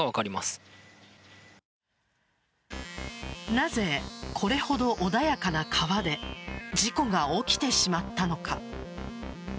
なぜ、これほど穏やかな川で事故が起きてしまったのか。